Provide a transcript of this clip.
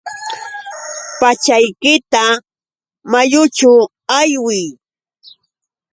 Pachaykita mayućhu aywiy.